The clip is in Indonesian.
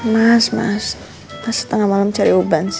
mas mas masa tengah malam cari uban sih